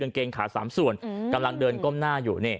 เกงขา๓ส่วนกำลังเดินก้มหน้าอยู่นี่